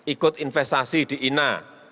ikut investasi di ina